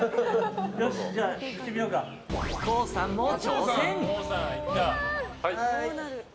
ＫＯＯさんも挑戦！